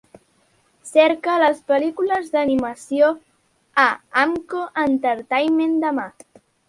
Cerca les pel·lícules d'animació a Amco Entertainment demà